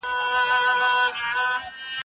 روژه په ژمي کي ثابته نه وي.